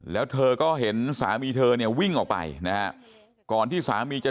แล้วเธอก็เห็นสามีเธอเนี่ยวิ่งออกไปนะฮะก่อนที่สามีจะ